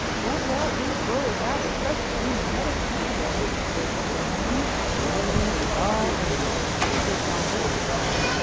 One well aimed blow of that would crush in the head of a negro." "Gentlemen, the evidence is all in," said Babbitts.